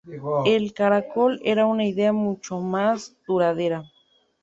El caracol era una idea mucho más duradera.